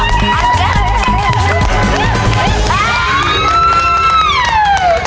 อะไร